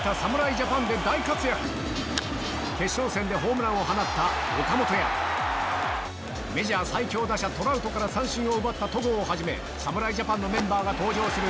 決勝戦でホームランを放ったメジャー最強打者トラウトから三振を奪った戸郷をはじめ侍ジャパンのメンバーが登場する